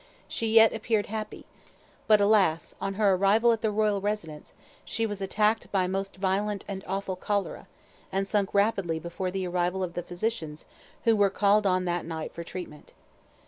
she yet appeared happy, but alas! on her arrival at the royal residence, she was attacked by most violent & awful cholera, and sunk rapidly before the arrival of the physicians who were called on that night for treatment.